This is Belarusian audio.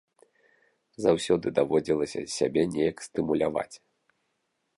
Заўсёды даводзілася сябе неяк стымуляваць.